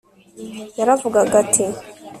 yaravugaga ati